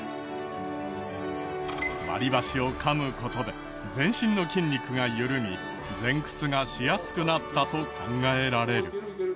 割りばしをかむ事で全身の筋肉が緩み前屈がしやすくなったと考えられる。